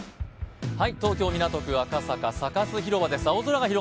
東京・港区赤坂、サカス広場です。